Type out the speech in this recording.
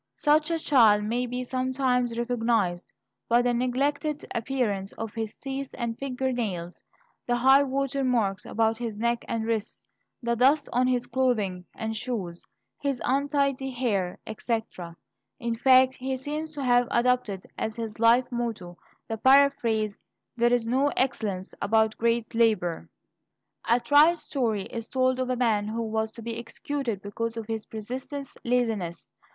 Such a child may be sometimes recognized by the neglected appearance of his teeth and finger nails, the "high water marks" about his neck and wrists, the dust on his clothing and shoes, his untidy hair, etc. In fact, he seems to have adopted as his life motto the paraphrase, "There is no excellence about great labor." A trite story is told of a man who was to be executed because of his persistent laziness.